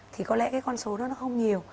thì có lẽ cái con số đó nó không nhiều